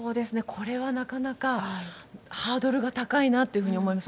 これはなかなかハードルが高いなと思います。